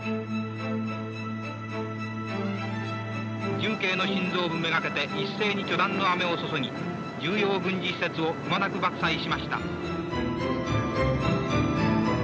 重慶の心臓部目がけて一斉に巨弾の雨を注ぎ重要軍事施設をくまなく爆砕しました。